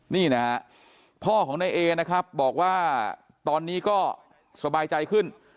นี่นะฮะพ่อของนายเอนะครับบอกว่าตอนนี้ก็สบายใจขึ้น